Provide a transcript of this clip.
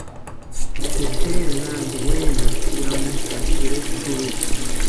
Jucheri nanti wenasti ya untani tʼirekwa churhipu.